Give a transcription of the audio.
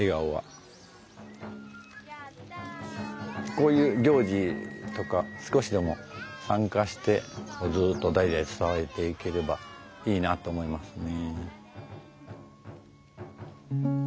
こういう行事とか少しでも参加してずっと代々伝わっていければいいなと思いますね。